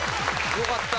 よかった。